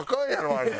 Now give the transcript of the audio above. あれ。